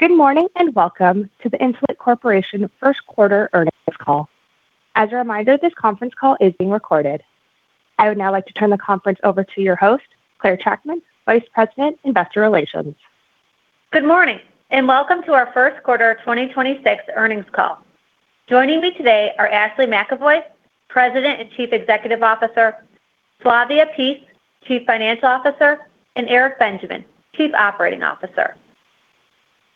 Good morning, and welcome to the Insulet Corporation first quarter earnings call. As a reminder, this conference call is being recorded. I would now like to turn the conference over to your host, Clare Trachtman, Vice President, Investor Relations. Good morning, welcome to our first quarter 2026 earnings call. Joining me today are Ashley McEvoy, President and Chief Executive Officer, Flavia Pease, Chief Financial Officer, and Eric Benjamin, Chief Operating Officer.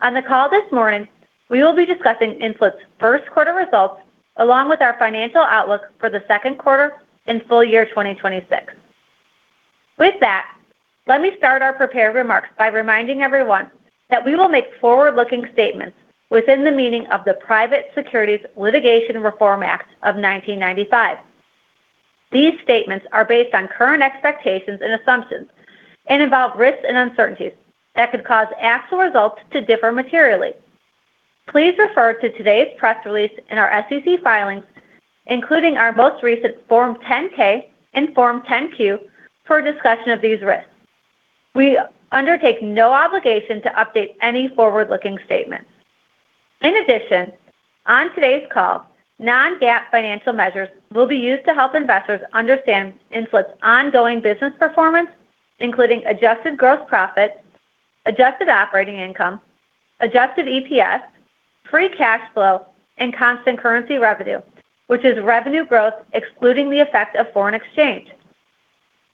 On the call this morning, we will be discussing Insulet's first quarter results along with our financial outlook for the second quarter and full year 2026. With that, let me start our prepared remarks by reminding everyone that we will make forward-looking statements within the meaning of the Private Securities Litigation Reform Act of 1995. These statements are based on current expectations and assumptions and involve risks and uncertainties that could cause actual results to differ materially. Please refer to today's press release in our SEC filings, including our most recent Form 10-K and Form 10-Q, for a discussion of these risks. We undertake no obligation to update any forward-looking statements. In addition, on today's call, non-GAAP financial measures will be used to help investors understand Insulet's ongoing business performance, including adjusted gross profit, adjusted operating income, adjusted EPS, free cash flow, and constant currency revenue, which is revenue growth excluding the effect of foreign exchange.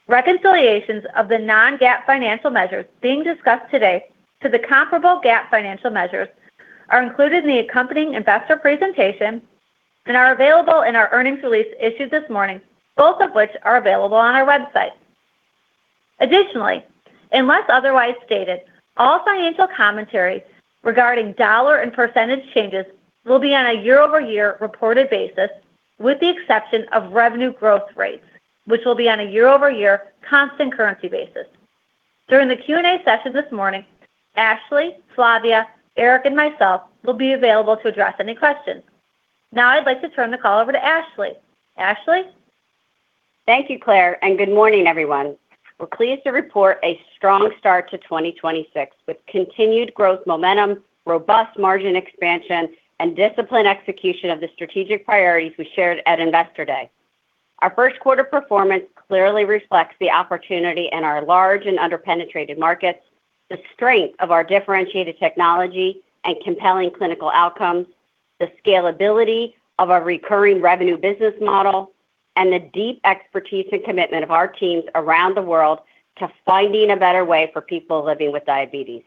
Reconciliations of the non-GAAP financial measures being discussed today to the comparable GAAP financial measures are included in the accompanying investor presentation and are available in our earnings release issued this morning, both of which are available on our website. Additionally, unless otherwise stated, all financial commentary regarding dollar and percentage changes will be on a year-over-year reported basis, with the exception of revenue growth rates, which will be on a year-over-year constant currency basis. During the Q&A session this morning, Ashley, Flavia, Eric, and myself will be available to address any questions. Now I'd like to turn the call over to Ashley. Ashley? Thank you, Clare. Good morning, everyone. We're pleased to report a strong start to 2026 with continued growth momentum, robust margin expansion, and disciplined execution of the strategic priorities we shared at Investor Day. Our first quarter performance clearly reflects the opportunity in our large and under-penetrated markets, the strength of our differentiated technology and compelling clinical outcomes, the scalability of our recurring revenue business model, and the deep expertise and commitment of our teams around the world to finding a better way for people living with diabetes.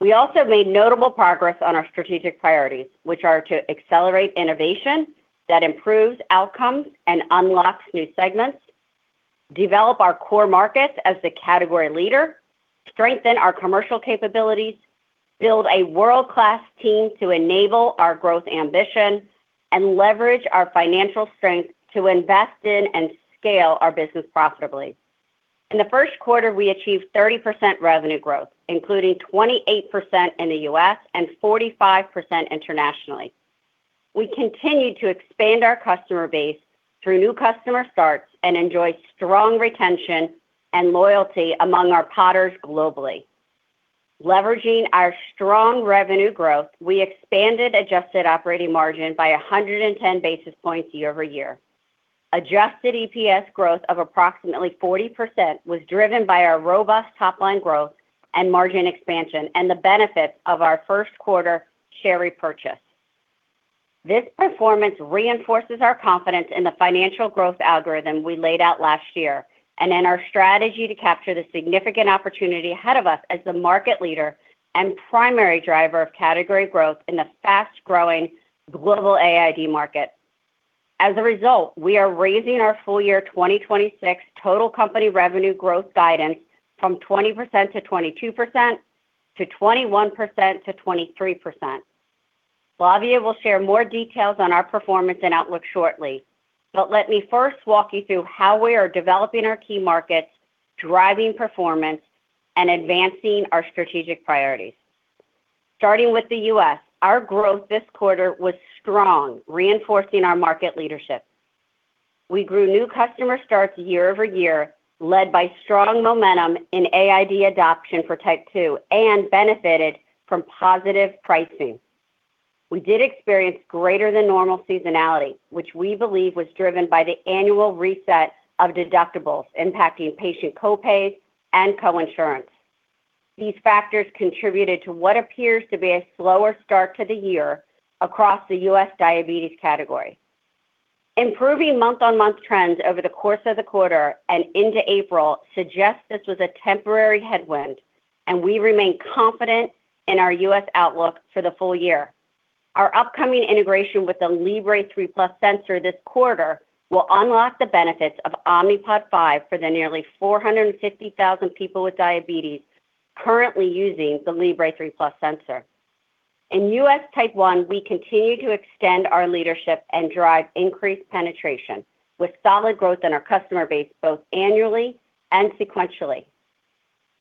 We also made notable progress on our strategic priorities, which are to accelerate innovation that improves outcomes and unlocks new segments, develop our core markets as the category leader, strengthen our commercial capabilities, build a world-class team to enable our growth ambition, and leverage our financial strength to invest in and scale our business profitably. In the first quarter, we achieved 30% revenue growth, including 28% in the U.S. and 45% internationally. We continued to expand our customer base through new customer starts and enjoyed strong retention and loyalty among our Podders globally. Leveraging our strong revenue growth, we expanded adjusted operating margin by 110 basis points year-over-year. Adjusted EPS growth of approximately 40% was driven by our robust top-line growth and margin expansion and the benefits of our first quarter share repurchase. This performance reinforces our confidence in the financial growth algorithm we laid out last year and in our strategy to capture the significant opportunity ahead of us as the market leader and primary driver of category growth in the fast-growing global AID market. As a result, we are raising our full year 2026 total company revenue growth guidance from 20%-22% to 21%-23%. Flavia will share more details on our performance and outlook shortly. Let me first walk you through how we are developing our key markets, driving performance, and advancing our strategic priorities. Starting with the U.S., our growth this quarter was strong, reinforcing our market leadership. We grew new customer starts year-over-year, led by strong momentum in AID adoption for Type 2, and benefited from positive pricing. We did experience greater than normal seasonality, which we believe was driven by the annual reset of deductibles impacting patient co-pays and co-insurance. These factors contributed to what appears to be a slower start to the year across the U.S. diabetes category. Improving month-over-month trends over the course of the quarter and into April suggest this was a temporary headwind, and we remain confident in our U.S. outlook for the full year. Our upcoming integration with the FreeStyle Libre 3 Plus sensor this quarter will unlock the benefits of Omnipod 5 for the nearly 450,000 people with diabetes currently using the FreeStyle Libre 3 Plus sensor. In U.S. Type 1, we continue to extend our leadership and drive increased penetration, with solid growth in our customer base both annually and sequentially.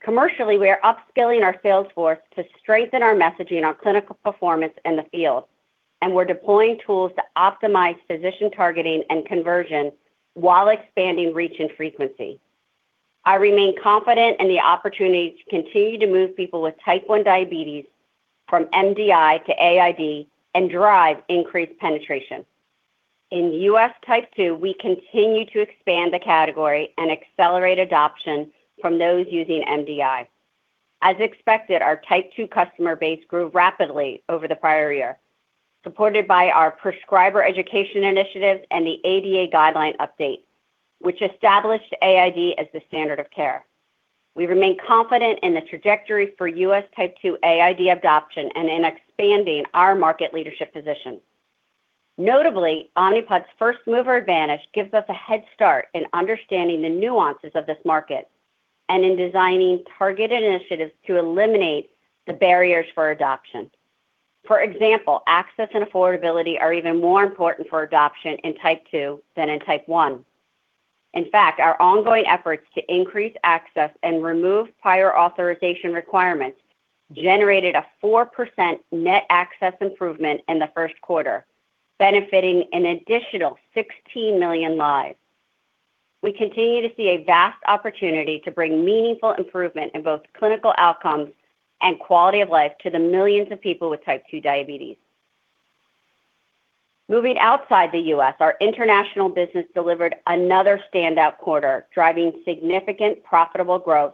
Commercially, we are upskilling our sales force to strengthen our messaging on clinical performance in the field, and we're deploying tools to optimize physician targeting and conversion while expanding reach and frequency. I remain confident in the opportunity to continue to move people with Type 1 diabetes from MDI to AID and drive increased penetration. In U.S. Type 2, we continue to expand the category and accelerate adoption from those using MDI. As expected, our Type 2 customer base grew rapidly over the prior year, supported by our prescriber education initiatives and the ADA guideline update, which established AID as the standard of care. We remain confident in the trajectory for U.S. Type 2 AID adoption and in expanding our market leadership position. Notably, Omnipod's first-mover advantage gives us a head start in understanding the nuances of this market and in designing targeted initiatives to eliminate the barriers for adoption. For example, access and affordability are even more important for adoption in Type 2 than in Type 1. In fact, our ongoing efforts to increase access and remove prior authorization requirements generated a 4% net access improvement in the first quarter, benefiting an additional 16 million lives. We continue to see a vast opportunity to bring meaningful improvement in both clinical outcomes and quality of life to the millions of people with Type 2 diabetes. Moving outside the U.S., our international business delivered another standout quarter, driving significant profitable growth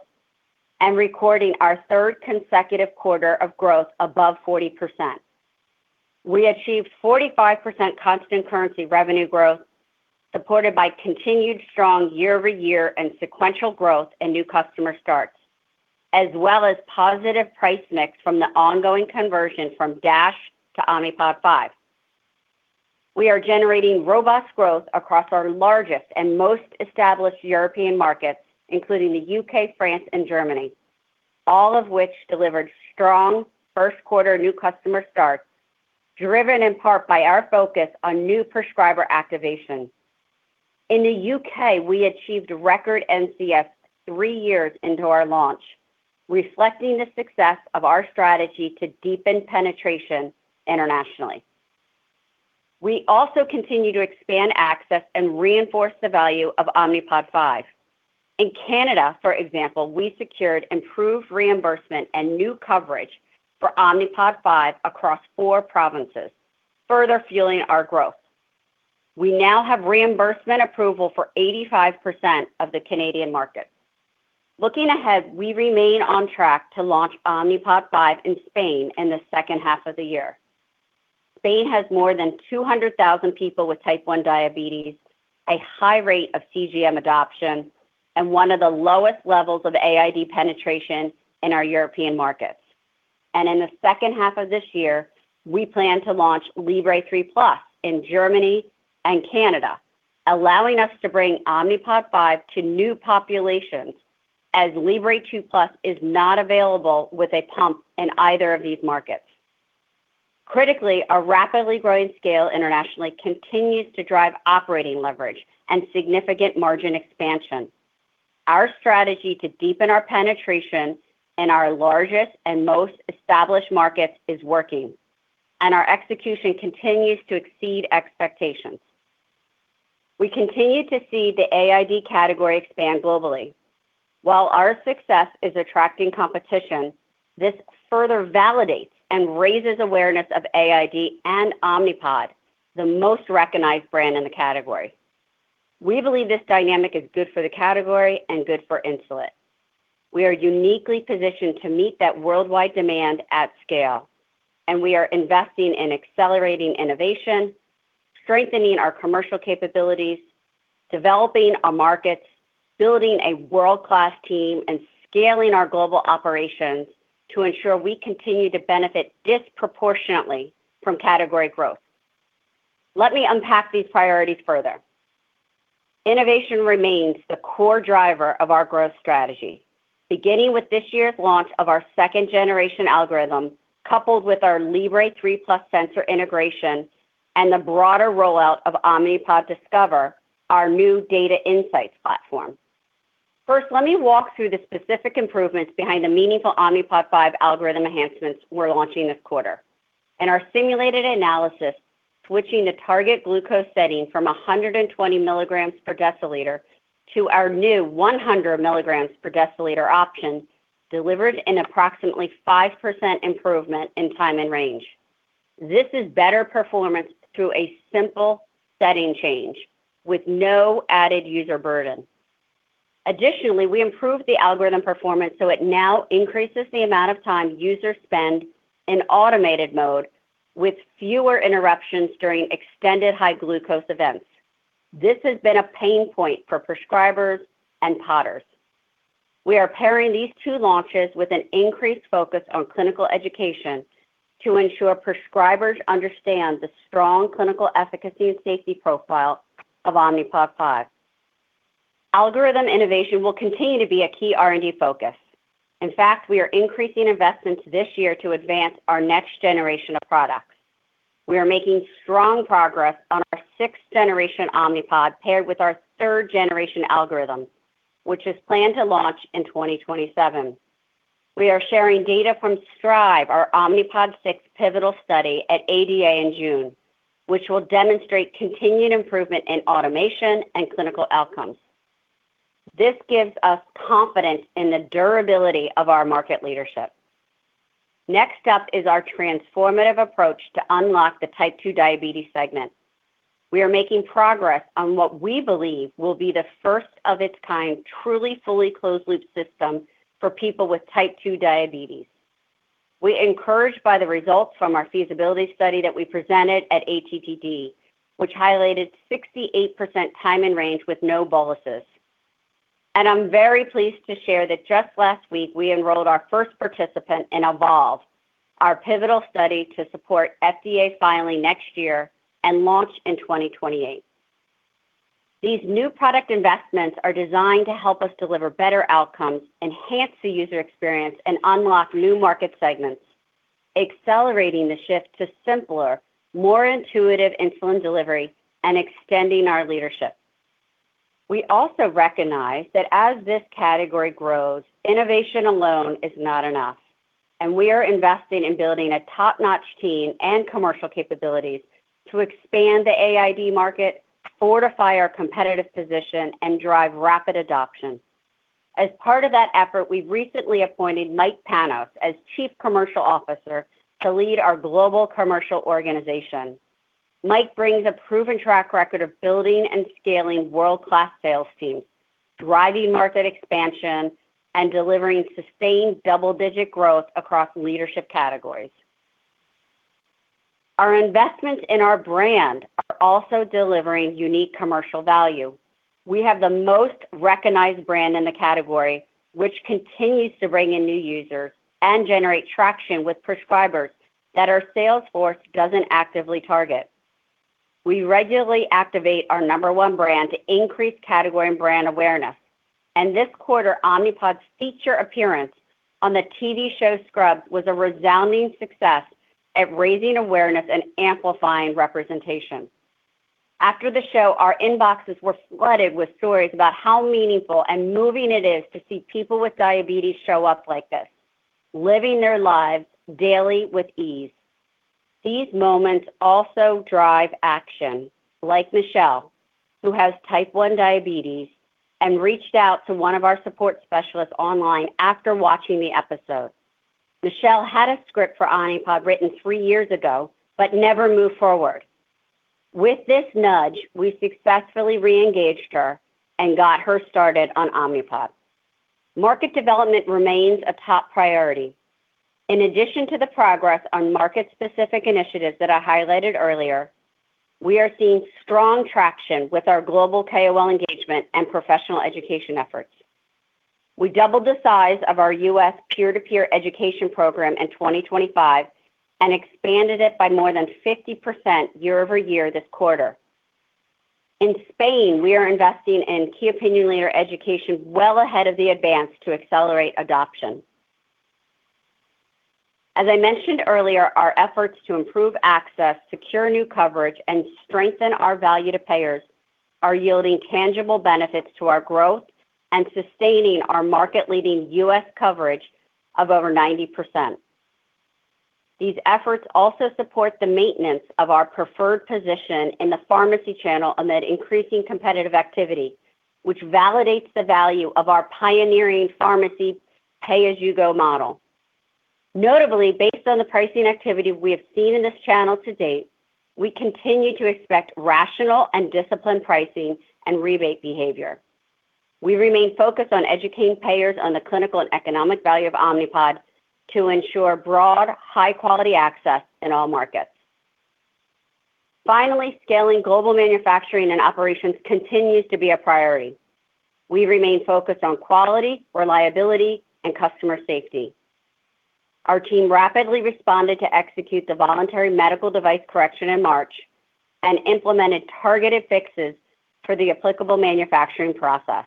and recording our third consecutive quarter of growth above 40%. We achieved 45% constant currency revenue growth, supported by continued strong year-over-year and sequential growth in new customer starts, as well as positive price mix from the ongoing conversion from DASH to Omnipod 5. We are generating robust growth across our largest and most established European markets, including the U.K., France, and Germany, all of which delivered strong first quarter new customer starts, driven in part by our focus on new prescriber activation. In the U.K., we achieved record NCS three years into our launch, reflecting the success of our strategy to deepen penetration internationally. We also continue to expand access and reinforce the value of Omnipod 5. In Canada, for example, we secured improved reimbursement and new coverage for Omnipod 5 across four provinces, further fueling our growth. We now have reimbursement approval for 85% of the Canadian market. Looking ahead, we remain on track to launch Omnipod 5 in Spain in the second half of the year. Spain has more than 200,000 people with Type 1 diabetes, a high rate of CGM adoption, and one of the lowest levels of AID penetration in our European markets. In the second half of this year, we plan to launch FreeStyle Libre 3 Plus in Germany and Canada, allowing us to bring Omnipod 5 to new populations as FreeStyle Libre 2 Plus is not available with a pump in either of these markets. Critically, our rapidly growing scale internationally continues to drive operating leverage and significant margin expansion. Our strategy to deepen our penetration in our largest and most established markets is working, and our execution continues to exceed expectations. We continue to see the AID category expand globally. While our success is attracting competition, this further validates and raises awareness of AID and Omnipod, the most recognized brand in the category. We believe this dynamic is good for the category and good for Insulet. We are uniquely positioned to meet that worldwide demand at scale, and we are investing in accelerating innovation, strengthening our commercial capabilities, developing our markets, building a world-class team, and scaling our global operations to ensure we continue to benefit disproportionately from category growth. Let me unpack these priorities further. Innovation remains the core driver of our growth strategy, beginning with this year's launch of our second generation algorithm, coupled with our Libre 3 Plus sensor integration and the broader rollout of Omnipod Discover, our new data insights platform. First, let me walk through the specific improvements behind the meaningful Omnipod 5 algorithm enhancements we're launching this quarter. In our simulated analysis, switching the target glucose setting from 120 milligrams per deciliter to our new 100 milligrams per deciliter option delivered an approximately 5% improvement in time and range. This is better performance through a simple setting change with no added user burden. Additionally, we improved the algorithm performance, so it now increases the amount of time users spend in automated mode with fewer interruptions during extended high glucose events. This has been a pain point for prescribers and podders. We are pairing these two launches with an increased focus on clinical education to ensure prescribers understand the strong clinical efficacy and safety profile of Omnipod 5. Algorithm innovation will continue to be a key R&D focus. In fact, we are increasing investments this year to advance our next generation of products. We are making strong progress on our sixth generation Omnipod paired with our third generation algorithm, which is planned to launch in 2027. We are sharing data from STRIVE, our Omnipod 6 pivotal study at ADA in June, which will demonstrate continued improvement in automation and clinical outcomes. This gives us confidence in the durability of our market leadership. Next up is our transformative approach to unlock the Type 2 diabetes segment. We are making progress on what we believe will be the first of its kind truly fully closed loop system for people with Type 2 diabetes. We're encouraged by the results from our feasibility study that we presented at ATTD, which highlighted 68% time and range with no boluses. I'm very pleased to share that just last week, we enrolled our first participant in EVOLVE, our pivotal study to support FDA filing next year and launch in 2028. These new product investments are designed to help us deliver better outcomes, enhance the user experience, and unlock new market segments, accelerating the shift to simpler, more intuitive insulin delivery and extending our leadership. We also recognize that as this category grows, innovation alone is not enough, and we are investing in building a top-notch team and commercial capabilities to expand the AID market, fortify our competitive position, and drive rapid adoption. As part of that effort, we've recently appointed Mike Panos as Chief Commercial Officer to lead our global commercial organization. Mike brings a proven track record of building and scaling world-class sales teams, driving market expansion, and delivering sustained double-digit growth across leadership categories. Our investments in our brand are also delivering unique commercial value. We have the most recognized brand in the category, which continues to bring in new users and generate traction with prescribers that our sales force doesn't actively target. We regularly activate our number one brand to increase category and brand awareness, and this quarter, Omnipod's feature appearance on the TV show Scrubs was a resounding success at raising awareness and amplifying representation. After the show, our inboxes were flooded with stories about how meaningful and moving it is to see people with diabetes show up like this, living their lives daily with ease. These moments also drive action, like Michelle, who has Type 1 diabetes and reached out to one of our support specialists online after watching the episode. Michelle had a script for Omnipod written three years ago but never moved forward. With this nudge, we successfully re-engaged her and got her started on Omnipod. Market development remains a top priority. In addition to the progress on market-specific initiatives that I highlighted earlier, we are seeing strong traction with our global KOL engagement and professional education efforts. We doubled the size of our U.S. peer-to-peer education program in 2025 and expanded it by more than 50% year-over-year this quarter. In Spain, we are investing in key opinion leader education well ahead of the advance to accelerate adoption. As I mentioned earlier, our efforts to improve access, secure new coverage, and strengthen our value to payers are yielding tangible benefits to our growth and sustaining our market-leading U.S. coverage of over 90%. These efforts also support the maintenance of our preferred position in the pharmacy channel amid increasing competitive activity, which validates the value of our pioneering pharmacy pay-as-you-go model. Notably, based on the pricing activity we have seen in this channel to date, we continue to expect rational and disciplined pricing and rebate behavior. We remain focused on educating payers on the clinical and economic value of Omnipod to ensure broad, high-quality access in all markets. Finally, scaling global manufacturing and operations continues to be a priority. We remain focused on quality, reliability, and customer safety. Our team rapidly responded to execute the voluntary Medical Device Correction in March and implemented targeted fixes for the applicable manufacturing process.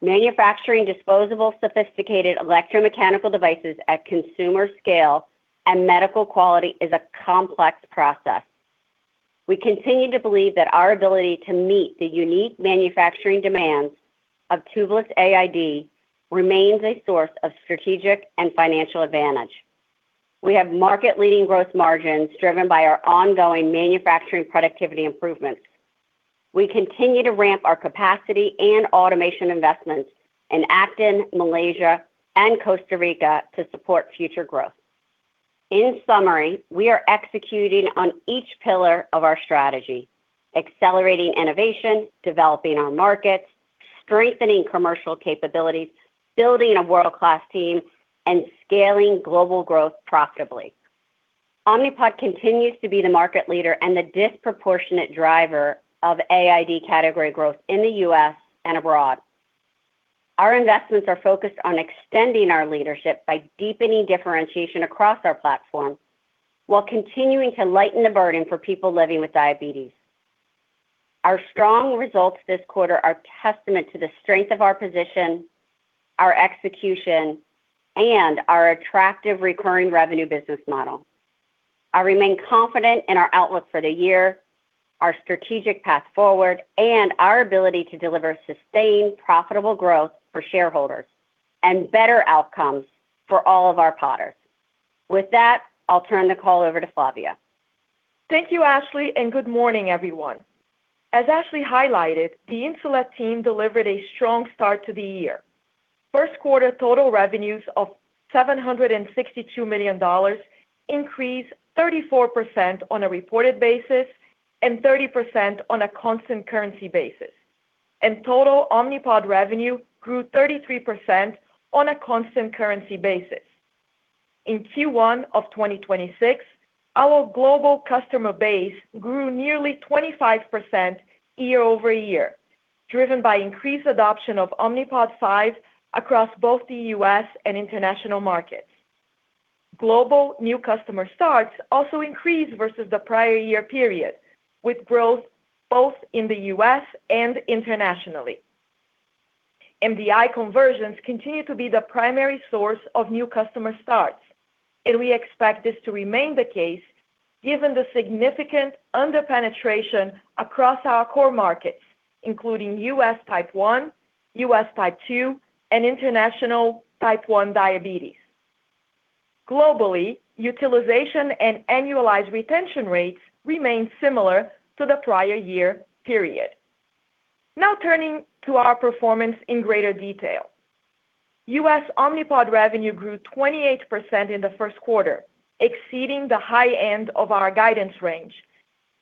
Manufacturing disposable, sophisticated electromechanical devices at consumer scale and medical quality is a complex process. We continue to believe that our ability to meet the unique manufacturing demands of tubeless AID remains a source of strategic and financial advantage. We have market-leading gross margins driven by our ongoing manufacturing productivity improvements. We continue to ramp our capacity and automation investments in Acton, Malaysia, and Costa Rica to support future growth. In summary, we are executing on each pillar of our strategy, accelerating innovation, developing our markets, strengthening commercial capabilities, building a world-class team, and scaling global growth profitably. Omnipod continues to be the market leader and the disproportionate driver of AID category growth in the U.S. and abroad. Our investments are focused on extending our leadership by deepening differentiation across our platform while continuing to lighten the burden for people living with diabetes. Our strong results this quarter are testament to the strength of our position, our execution, and our attractive recurring revenue business model. I remain confident in our outlook for the year, our strategic path forward, and our ability to deliver sustained profitable growth for shareholders and better outcomes for all of our Podders. With that, I'll turn the call over to Flavia. Thank you, Ashley, and good morning, everyone. As Ashley highlighted, the Insulet team delivered a strong start to the year. First quarter total revenues of $762 million increased 34% on a reported basis and 30% on a constant currency basis. Total Omnipod revenue grew 33% on a constant currency basis. In Q1 of 2026, our global customer base grew nearly 25% year-over-year, driven by increased adoption of Omnipod 5 across both the U.S. and international markets. Global new customer starts also increased versus the prior year period, with growth both in the U.S. and internationally. MDI conversions continue to be the primary source of new customer starts, and we expect this to remain the case given the significant under-penetration across our core markets, including U.S. Type 1, U.S. Type 2, and international Type 1 diabetes. Globally, utilization and annualized retention rates remain similar to the prior year period. Now turning to our performance in greater detail. U.S. Omnipod revenue grew 28% in the first quarter, exceeding the high end of our guidance range,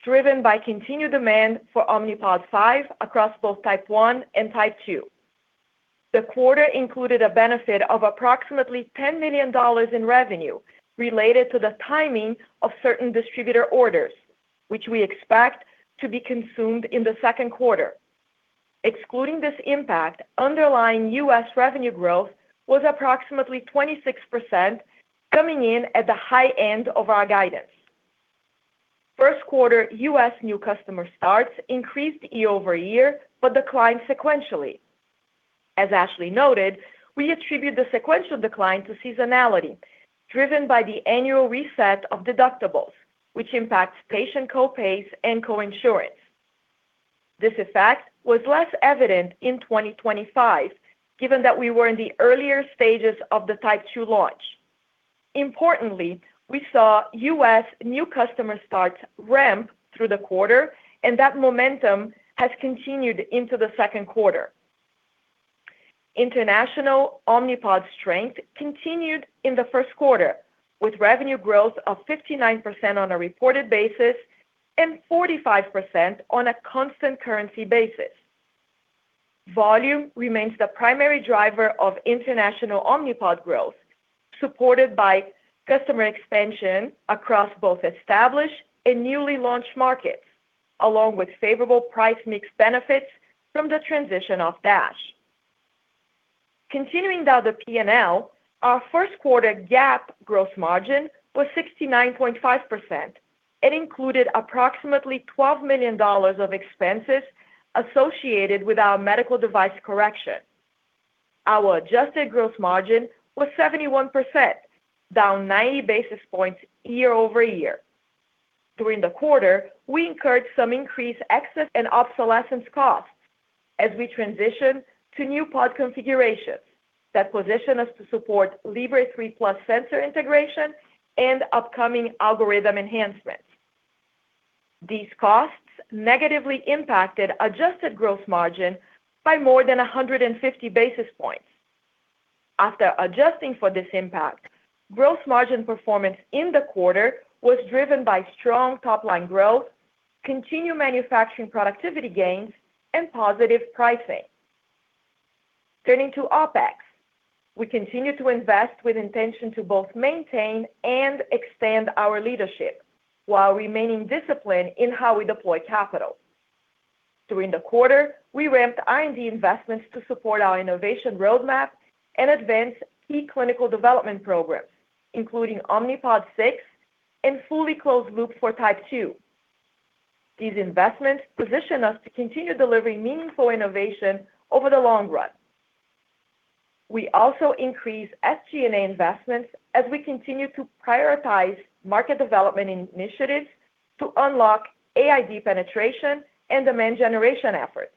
driven by continued demand for Omnipod 5 across both Type 1 and Type 2. The quarter included a benefit of approximately $10 million in revenue related to the timing of certain distributor orders, which we expect to be consumed in the second quarter. Excluding this impact, underlying U.S. revenue growth was approximately 26% coming in at the high end of our guidance. First quarter U.S. new customer starts increased year-over-year, but declined sequentially. As Ashley noted, we attribute the sequential decline to seasonality driven by the annual reset of deductibles, which impacts patient co-pays and coinsurance. This effect was less evident in 2025, given that we were in the earlier stages of the Type 2 launch. Importantly, we saw U.S. new customer starts ramp through the quarter, and that momentum has continued into the second quarter. International Omnipod strength continued in the first quarter, with revenue growth of 59% on a reported basis and 45% on a constant currency basis. Volume remains the primary driver of international Omnipod growth, supported by customer expansion across both established and newly launched markets, along with favorable price mix benefits from the transition of DASH. Continuing down the P&L, our first quarter GAAP gross margin was 69.5%. It included approximately $12 million of expenses associated with our medical device correction. Our adjusted gross margin was 71%, down 90 basis points year-over-year. During the quarter, we incurred some increased excess and obsolescence costs as we transition to new Pod configurations that position us to support Libre 3 Plus sensor integration and upcoming algorithm enhancements. These costs negatively impacted adjusted gross margin by more than 150 basis points. After adjusting for this impact, gross margin performance in the quarter was driven by strong top-line growth, continued manufacturing productivity gains, and positive pricing. Turning to OpEx, we continue to invest with intention to both maintain and expand our leadership while remaining disciplined in how we deploy capital. During the quarter, we ramped R&D investments to support our innovation roadmap and advance key clinical development programs, including Omnipod 6 and fully closed loop for Type 2. These investments position us to continue delivering meaningful innovation over the long run. We also increased SG&A investments as we continue to prioritize market development initiatives to unlock AID penetration and demand generation efforts.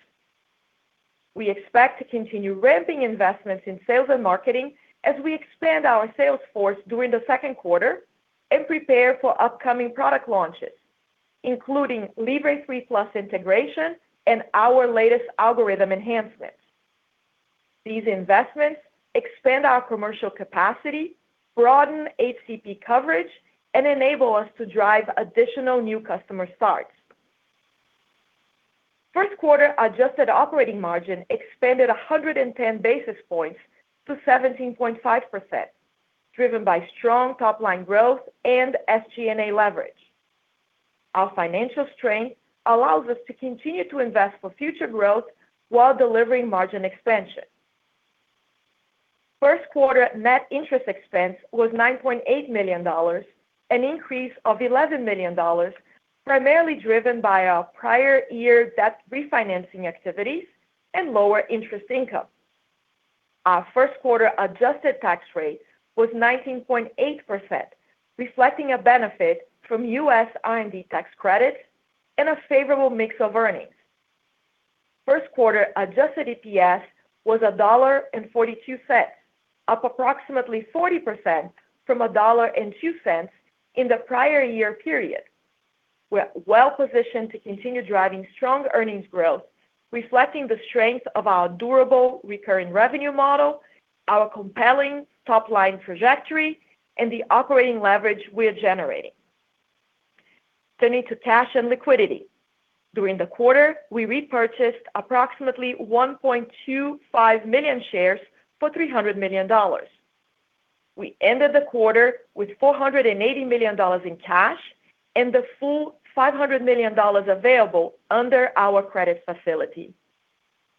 We expect to continue ramping investments in sales and marketing as we expand our sales force during the second quarter and prepare for upcoming product launches, including FreeStyle Libre 3 Plus integration and our latest algorithm enhancements. These investments expand our commercial capacity, broaden HCP coverage, and enable us to drive additional new customer starts. First quarter adjusted operating margin expanded 110 basis points to 17.5%, driven by strong top-line growth and SG&A leverage. Our financial strength allows us to continue to invest for future growth while delivering margin expansion. First quarter net interest expense was $9.8 million, an increase of $11 million, primarily driven by our prior year debt refinancing activities and lower interest income. Our first quarter adjusted tax rate was 19.8%, reflecting a benefit from US R&D tax credits and a favorable mix of earnings. First quarter adjusted EPS was $1.42, up approximately 40% from $1.02 in the prior year period. We're well-positioned to continue driving strong earnings growth, reflecting the strength of our durable recurring revenue model, our compelling top-line trajectory, and the operating leverage we are generating. Turning to cash and liquidity. During the quarter, we repurchased approximately 1.25 million shares for $300 million. We ended the quarter with $480 million in cash and the full $500 million available under our credit facility,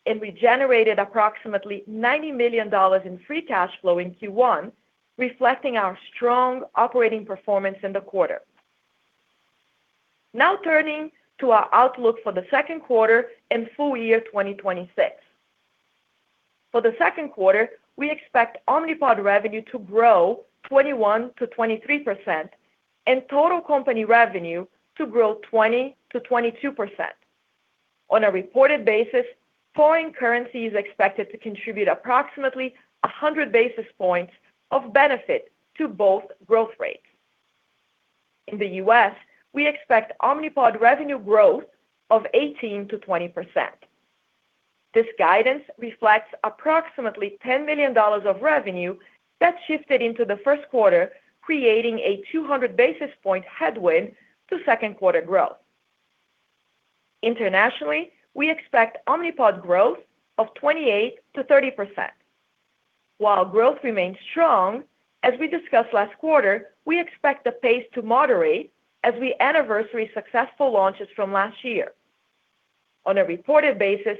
and we generated approximately $90 million in free cash flow in Q1, reflecting our strong operating performance in the quarter. Now turning to our outlook for the second quarter and full year 2026. For the second quarter, we expect Omnipod revenue to grow 21%-23% and total company revenue to grow 20%-22%. On a reported basis, foreign currency is expected to contribute approximately 100 basis points of benefit to both growth rates. In the U.S., we expect Omnipod revenue growth of 18%-20%. This guidance reflects approximately $10 million of revenue that shifted into the first quarter, creating a 200 basis point headwind to second quarter growth. Internationally, we expect Omnipod growth of 28%-30%. While growth remains strong, as we discussed last quarter, we expect the pace to moderate as we anniversary successful launches from last year. On a reported basis,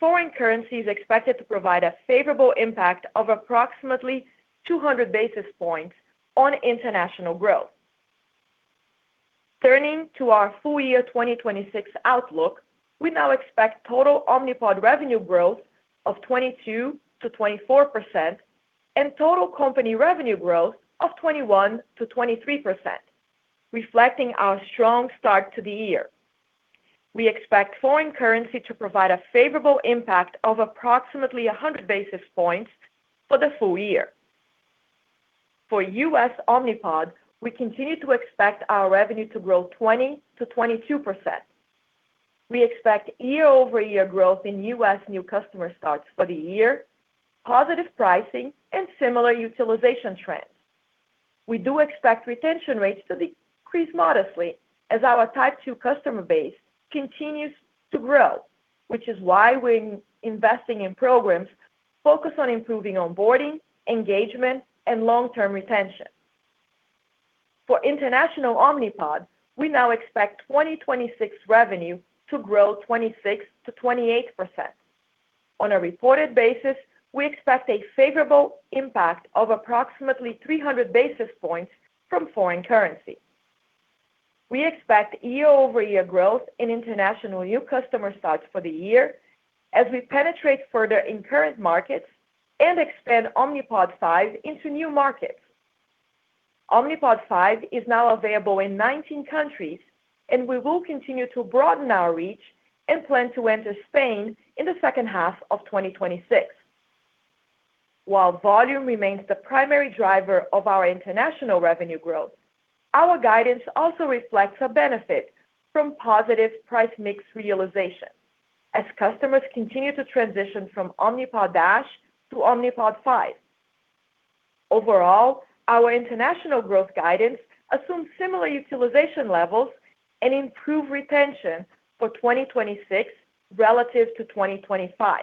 foreign currency is expected to provide a favorable impact of approximately 200 basis points on international growth. Turning to our full year 2026 outlook, we now expect total Omnipod revenue growth of 22%-24% and total company revenue growth of 21%-23%, reflecting our strong start to the year. We expect foreign currency to provide a favorable impact of approximately 100 basis points for the full year. For US Omnipod, we continue to expect our revenue to grow 20%-22%. We expect year-over-year growth in U.S. new customer starts for the year, positive pricing, and similar utilization trends. We do expect retention rates to decrease modestly as our Type 2 customer base continues to grow, which is why we're investing in programs focused on improving onboarding, engagement, and long-term retention. For international Omnipod, we now expect 2026 revenue to grow 26%-28%. On a reported basis, we expect a favorable impact of approximately 300 basis points from foreign currency. We expect year-over-year growth in international new customer starts for the year as we penetrate further in current markets and expand Omnipod 5 into new markets. Omnipod 5 is now available in 19 countries, and we will continue to broaden our reach and plan to enter Spain in the second half of 2026. While volume remains the primary driver of our international revenue growth, our guidance also reflects a benefit from positive price mix realization as customers continue to transition from Omnipod DASH to Omnipod 5. Overall, our international growth guidance assumes similar utilization levels and improved retention for 2026 relative to 2025.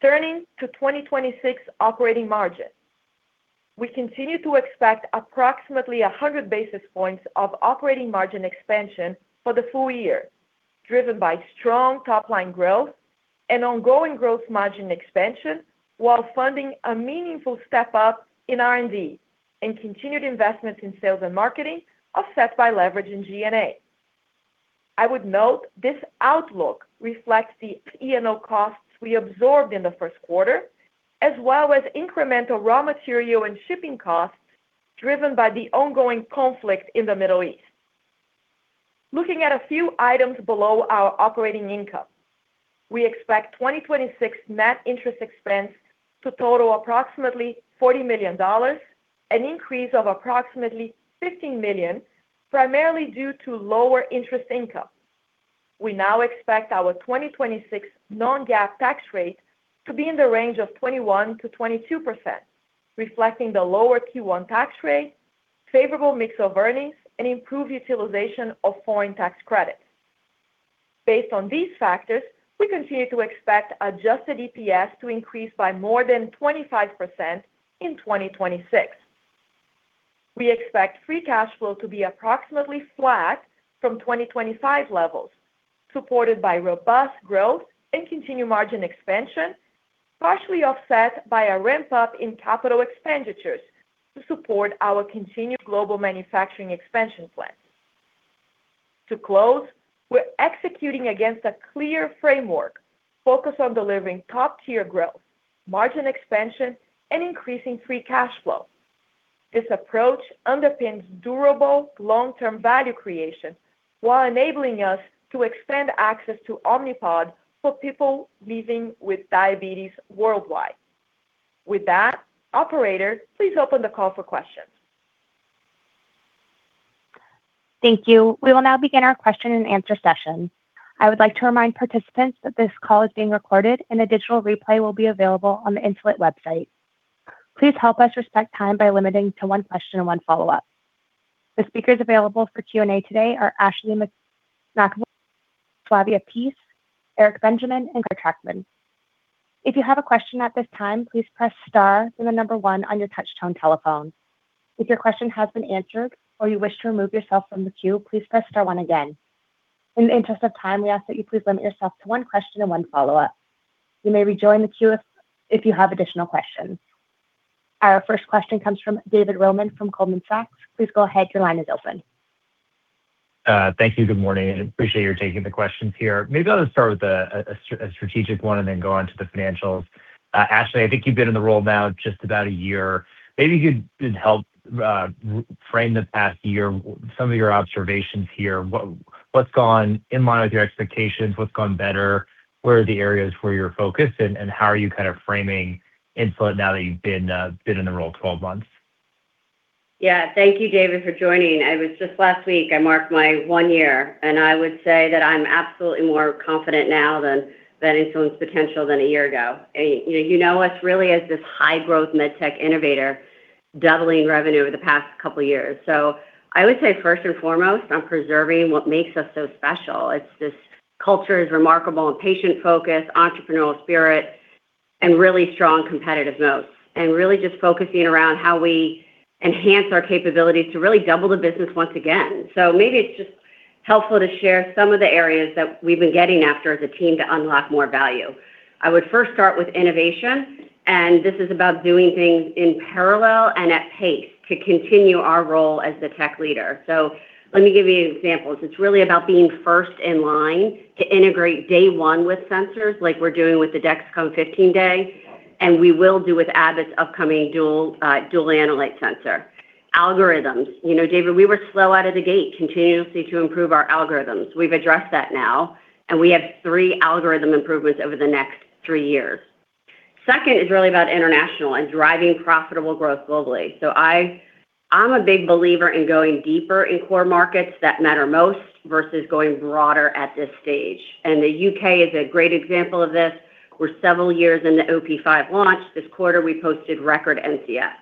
Turning to 2026 operating margin. We continue to expect approximately 100 basis points of operating margin expansion for the full year, driven by strong top-line growth and ongoing gross margin expansion while funding a meaningful step-up in R&D and continued investments in sales and marketing offset by leverage in G&A. I would note this outlook reflects the E&O costs we absorbed in the first quarter, as well as incremental raw material and shipping costs driven by the ongoing conflict in the Middle East. Looking at a few items below our operating income. We expect 2026 net interest expense to total approximately $40 million, an increase of approximately $15 million, primarily due to lower interest income. We now expect our 2026 non-GAAP tax rate to be in the range of 21%-22%, reflecting the lower Q1 tax rate, favorable mix of earnings, and improved utilization of foreign tax credits. Based on these factors, we continue to expect adjusted EPS to increase by more than 25% in 2026. We expect free cash flow to be approximately flat from 2025 levels, supported by robust growth and continued margin expansion, partially offset by a ramp-up in capital expenditures to support our continued global manufacturing expansion plans. To close, we're executing against a clear framework focused on delivering top-tier growth, margin expansion, and increasing free cash flow. This approach underpins durable long-term value creation while enabling us to expand access to Omnipod for people living with diabetes worldwide. With that, operator, please open the call for questions. Thank you. We will now begin our question-and-answer session. I would like to remind participants that this call is being recorded, and a digital replay will be available on the Insulet website. Please help us respect time by limiting to one question and one follow-up. The speakers available for Q&A today are Ashley McEvoy, Flavia Pease, Eric Benjamin. If you have a question at this time, please press star, then one on your touch tone telephone. If your question has been answered or you wish to remove yourself from the queue, please press star one again. In the interest of time, we ask that you please limit yourself to one question and one follow-up. You may rejoin the queue if you have additional questions. Our first question comes from David Roman from Goldman Sachs. Please go ahead. Your line is open. Thank you. Good morning, and appreciate your taking the questions here. Maybe I'll just start with a strategic one and then go on to the financials. Ashley, I think you've been in the role now just about a year. Maybe you could help frame the past year, some of your observations here. What's gone in line with your expectations? What's gone better? Where are the areas where you're focused, and how are you kind of framing Insulet now that you've been in the role 12 months? Yeah. Thank you, David, for joining. It was just last week, I marked my one year, and I would say that I'm absolutely more confident now than Insulet's potential than a year ago. You know, you know us really as this high-growth med tech innovator, doubling revenue over the past couple of years. I would say first and foremost, I'm preserving what makes us so special. It's this culture is remarkable and patient-focused, entrepreneurial spirit, and really strong competitive moat. Really just focusing around how we enhance our capabilities to really double the business once again. Maybe it's just helpful to share some of the areas that we've been getting after as a team to unlock more value. I would first start with innovation, and this is about doing things in parallel and at pace to continue our role as the tech leader. Let me give you examples. It's really about being first in line to integrate day one with sensors like we're doing with the Dexcom 15 day, and we will do with Abbott's upcoming dual analyte sensor. Algorithms. You know, David, we were slow out of the gate continuously to improve our algorithms. We've addressed that now, and we have three algorithm improvements over the next three years. Second is really about international and driving profitable growth globally. I'm a big believer in going deeper in core markets that matter most versus going broader at this stage. The U.K. is a great example of this. We're several years in the OP5 launch. This quarter, we posted record NCS.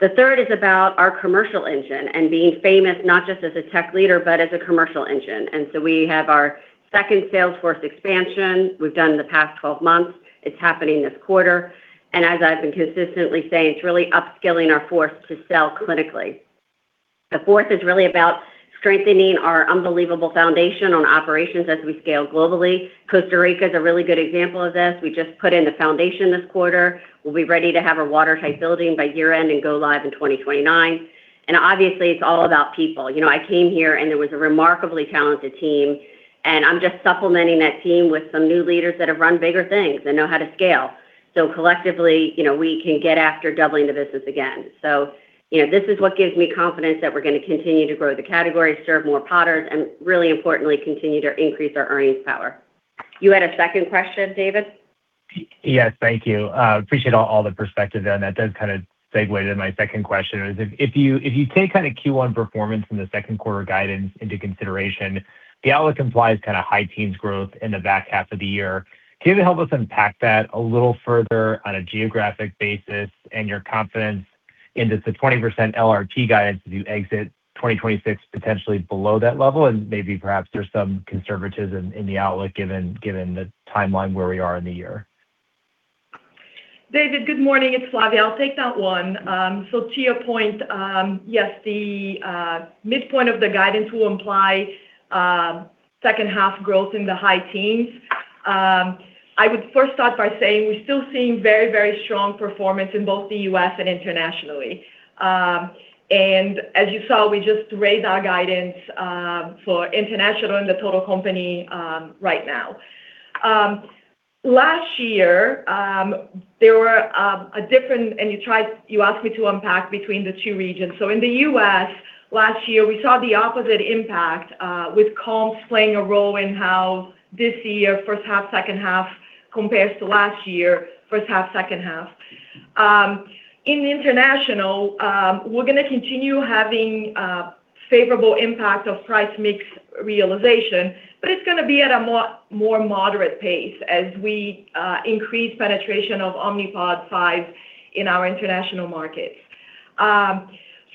The third is about our commercial engine and being famous not just as a tech leader, but as a commercial engine. We have our second sales force expansion we've done in the past 12 months. It's happening this quarter. As I've been consistently saying, it's really upskilling our force to sell clinically. The fourth is really about strengthening our unbelievable foundation on operations as we scale globally. Costa Rica is a really good example of this. We just put in the foundation this quarter. We'll be ready to have a watertight building by year-end and go live in 2029. Obviously, it's all about people. You know, I came here, and there was a remarkably talented team, and I'm just supplementing that team with some new leaders that have run bigger things and know how to scale. Collectively, you know, we can get after doubling the business again. You know, this is what gives me confidence that we're gonna continue to grow the category, serve more Podders, and really importantly, continue to increase our earnings power. You had a second question, David? Yes. Thank you. Appreciate all the perspective there, and that does kind of segue to my second question. If you take kind of Q1 performance from the second quarter guidance into consideration, the outlook implies kind of high teens growth in the back half of the year. Can you help us unpack that a little further on a geographic basis and your confidence into the 20% LRP guidance as you exit 2026 potentially below that level? Maybe perhaps there's some conservatism in the outlook given the timeline where we are in the year. David, good morning. It's Flavia. I'll take that one. To your point, yes, the midpoint of the guidance will imply second half growth in the high teens%. I would first start by saying we're still seeing very, very strong performance in both the U.S. and internationally. As you saw, we just raised our guidance for international and the total company right now. Last year, you asked me to unpack between the two regions. In the U.S. last year, we saw the opposite impact with comps playing a role in how this year, first half, second half, compares to last year, first half, second half. In international, we're gonna continue having a favorable impact of price mix realization, but it's gonna be at a more moderate pace as we increase penetration of Omnipod 5 in our international markets.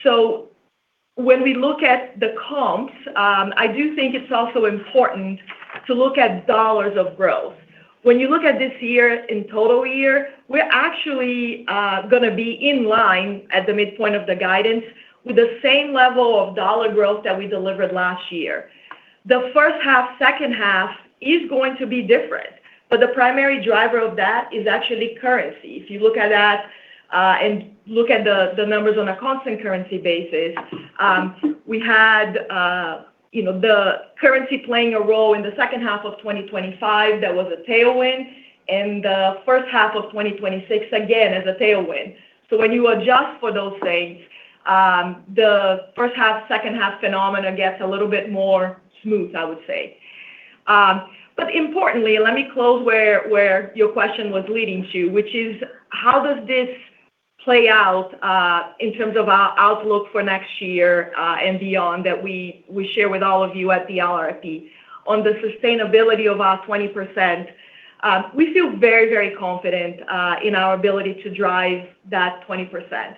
So when we look at the comps, I do think it's also important to look at dollars of growth. When you look at this year in total year, we're actually gonna be in line at the midpoint of the guidance with the same level of dollar growth that we delivered last year. The first half, second half is going to be different, but the primary driver of that is actually currency. If you look at that and look at the numbers on a constant currency basis. We had you know the currency playing a role in the second half of 2025 that was a tailwind and the first half of 2026 again as a tailwind. So when you adjust for those things, the first half, second half phenomena gets a little bit more smooth, I would say. But importantly, let me close where your question was leading to, which is how does this play out in terms of our outlook for next year and beyond that we share with all of you at the LRP. On the sustainability of our 20%, we feel very very confident in our ability to drive that 20%.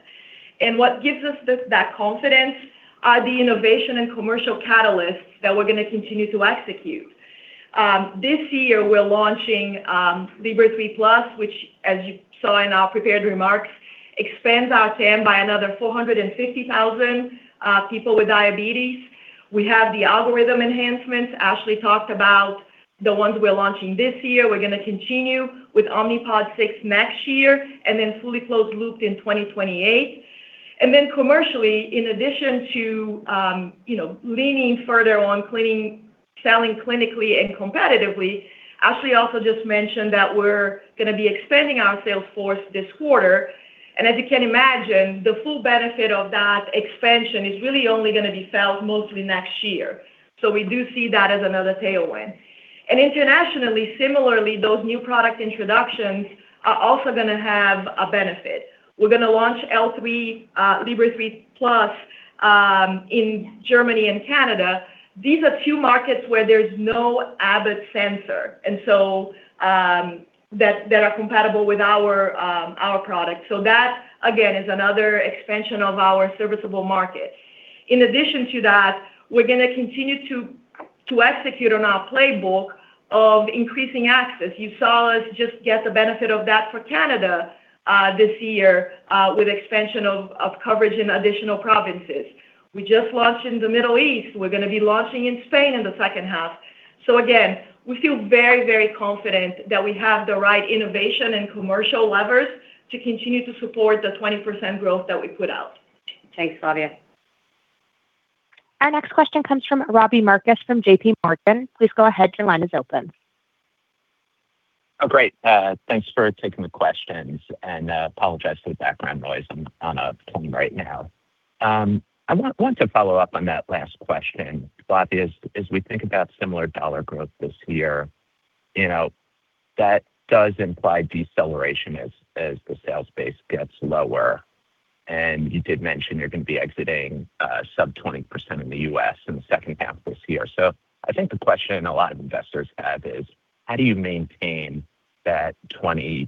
What gives us that confidence are the innovation and commercial catalysts that we're gonna continue to execute. This year we're launching Libre 3 Plus, which as you saw in our prepared remarks, expands our TAM by another 450,000 people with diabetes. We have the algorithm enhancements. Ashley talked about the ones we're launching this year. We're gonna continue with Omnipod 6 next year, and then fully closed loop in 2028. Then commercially, in addition to, you know, leaning further on selling clinically and competitively, Ashley also just mentioned that we're gonna be expanding our sales force this quarter. As you can imagine, the full benefit of that expansion is really only gonna be felt mostly next year. We do see that as another tailwind. Internationally, similarly, those new product introductions are also gonna have a benefit. We're gonna launch L 3, Libre 3 Plus in Germany and Canada. These are two markets where there's no Abbott sensor, and that are compatible with our product. That again is another expansion of our serviceable market. In addition to that, we're gonna continue to execute on our playbook of increasing access. You saw us just get the benefit of that for Canada this year with expansion of coverage in additional provinces. We just launched in the Middle East. We're gonna be launching in Spain in the second half. Again, we feel very, very confident that we have the right innovation and commercial levers to continue to support the 20% growth that we put out. Thanks, Flavia. Our next question comes from Robbie Marcus from JPMorgan. Please go ahead. Your line is open. Oh, great. Thanks for taking the questions and apologize for the background noise. I'm on a plane right now. I want to follow up on that last question. Flavia, as we think about similar dollar growth this year, you know, that does imply deceleration as the sales base gets lower. You did mention you're gonna be exiting sub 20% in the U.S. in the second half this year. I think the question a lot of investors have is how do you maintain that 20%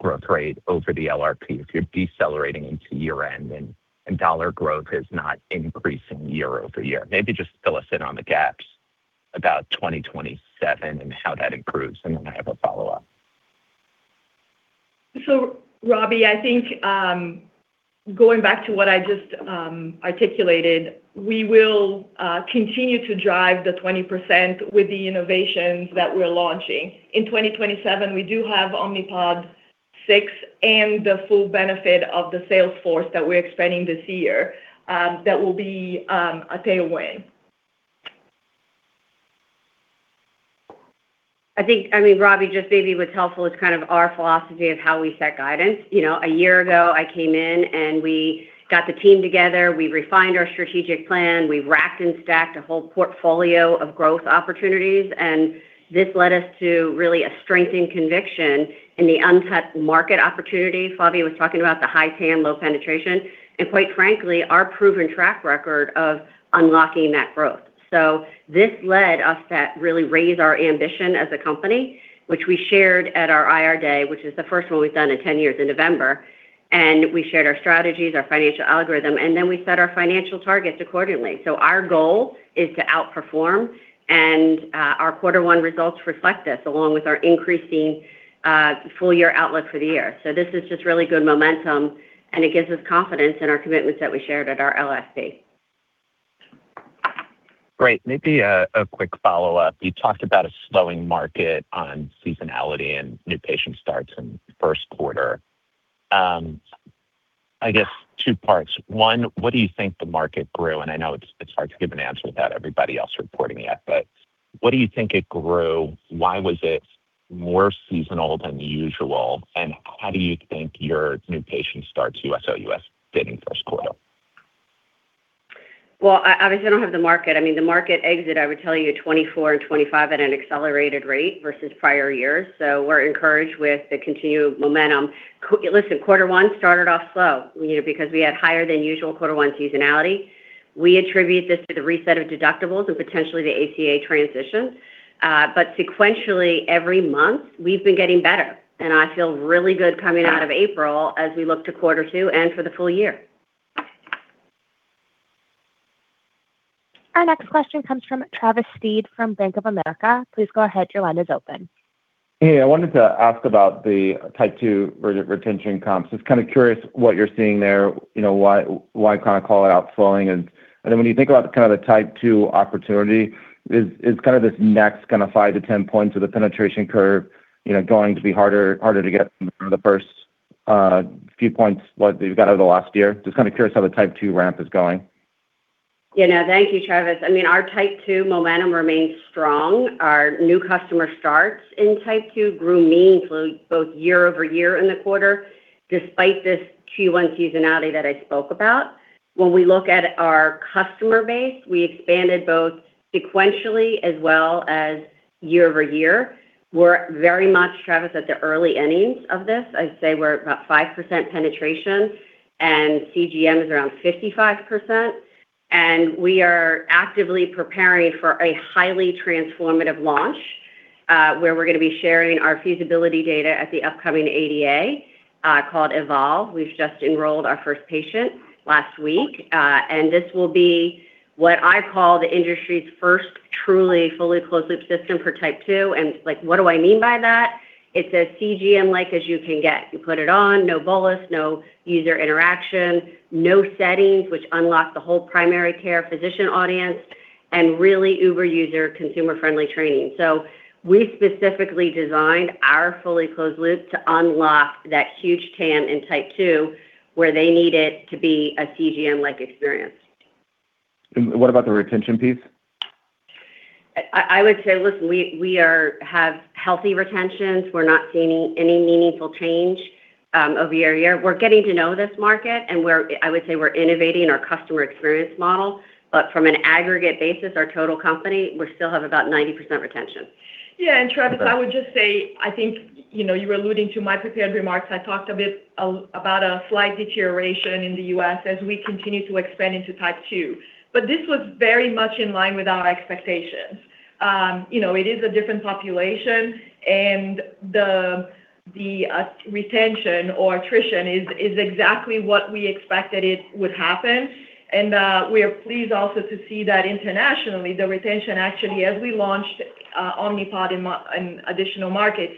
growth rate over the LRP if you're decelerating into year-end and dollar growth is not increasing year-over-year. Maybe just fill us in on the gaps about 2027 and how that improves. Then I have a follow-up. Robbie, I think, going back to what I just articulated, we will continue to drive the 20% with the innovations that we're launching. In 2027, we do have Omnipod 6 and the full benefit of the sales force that we're expanding this year, that will be a tailwind. I mean, Robbie, just maybe what's helpful is kind of our philosophy of how we set guidance. You know, a year ago I came in, and we got the team together. We refined our strategic plan. We racked and stacked a whole portfolio of growth opportunities, and this led us to really a strengthened conviction in the unmet market opportunity. Flavia was talking about the high TAM, low penetration, and quite frankly, our proven track record of unlocking that growth. So this led us to really raise our ambition as a company, which we shared at our IR day, which is the first one we've done in 10 years in November. We shared our strategies, our financial algorithm, and then we set our financial targets accordingly. Our goal is to outperform, and our quarter one results reflect this along with our increasing full year outlook for the year. This is just really good momentum, and it gives us confidence in our commitments that we shared at our LRP. Great. Maybe a quick follow-up. You talked about a slowing market on seasonality and new patient starts in first quarter. I guess two parts. One, what do you think the market grew? I know it's hard to give an answer without everybody else reporting yet, but what do you think it grew? Why was it more seasonal than usual? How do you think your new patient starts U.S. NCS did in first quarter? Well, I obviously don't have the metrics. I mean, the market size, I would tell you 2024 and 2025 at an accelerated rate versus prior years. We're encouraged with the continued momentum. Listen, quarter one started off slow, you know, because we had higher than usual quarter one seasonality. We attribute this to the reset of deductibles and potentially the ACA transition. Sequentially every month we've been getting better, and I feel really good coming out of April as we look to quarter two and for the full year. Our next question comes from Travis Steed from Bank of America. Please go ahead. Your line is open. Hey, I wanted to ask about the Type 2 retention comps. Just kind of curious what you're seeing there. You know, why kind of call out slowing and then when you think about kind of the Type 2 opportunity is kind of this next kind of 5-10 points of the penetration curve, you know, going to be harder to get from the first few points like that you've got over the last year? Just kind of curious how the Type 2 ramp is going. Yeah. No, thank you, Travis. I mean, our Type 2 momentum remains strong. Our new customer starts in Type 2 grew meaningfully both year-over-year in the quarter despite this Q1 seasonality that I spoke about. When we look at our customer base, we expanded both sequentially as well as year-over-year. We're very much, Travis, at the early innings of this. I'd say we're about 5% penetration and CGM is around 55%. We are actively preparing for a highly transformative launch, where we're gonna be sharing our feasibility data at the upcoming ADA, called EVOLVE. We've just enrolled our first patient last week. This will be what I call the industry's first truly fully closed-loop system for Type 2. Like, what do I mean by that? It's as CGM-like as you can get. You put it on, no bolus, no user interaction, no settings, which unlocks the whole primary care physician audience, and really uber user consumer-friendly training. We specifically designed our fully closed loop to unlock that huge TAM in Type 2 where they need it to be a CGM-like experience. What about the retention piece? I would say, listen, we have healthy retentions. We're not seeing any meaningful change year-over-year. We're getting to know this market, and I would say we're innovating our customer experience model. From an aggregate basis, our total company, we still have about 90% retention. Yeah. Travis, I would just say, I think, you know, you're alluding to my prepared remarks. I talked a bit about a slight deterioration in the U.S. as we continue to expand into Type 2. This was very much in line with our expectations. You know, it is a different population, and the retention or attrition is exactly what we expected it would happen. We are pleased also to see that internationally, the retention actually, as we launched, Omnipod in additional markets,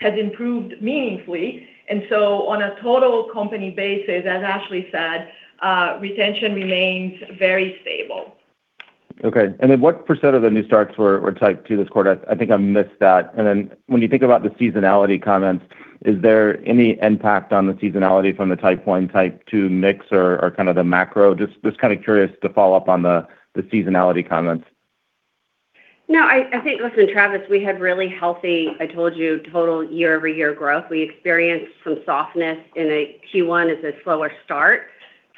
has improved meaningfully. On a total company basis, as Ashley said, retention remains very stable. Okay. What % of the new starts were Type 2 this quarter? I think I missed that. When you think about the seasonality comments, is there any impact on the seasonality from the Type 1, Type 2 mix or kind of the macro? Just kind of curious to follow up on the seasonality comments. No, I think, listen, Travis, we had really healthy. I told you, total year-over-year growth. We experienced some softness in Q1 as a slower start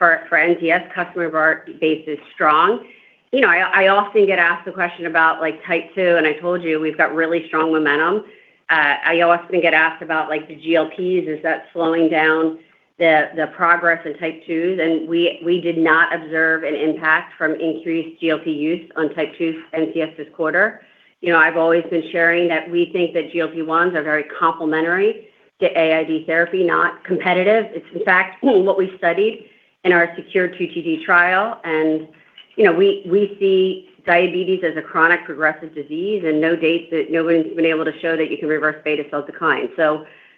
for NCS. Customer of our base is strong. You know, I often get asked the question about, like, Type 2, and I told you, we've got really strong momentum. I often get asked about, like, the GLP-1s. Is that slowing down the progress in Type 2s? We did not observe an impact from increased GLP-1 use on Type 2 NCS this quarter. You know, I've always been sharing that we think that GLP-1s are very complementary to AID therapy, not competitive. It's in fact what we studied in our SECURE-T2D trial. You know, we see diabetes as a chronic progressive disease and no data that nobody's been able to show that you can reverse beta cell decline.